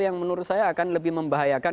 yang menurut saya akan lebih membahayakan